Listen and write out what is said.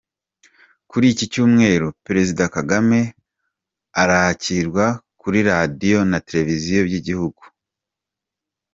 Kuri iki cyumweru Perezida Kagame arakirwa kuri radio na televiziyo by’ igihugu .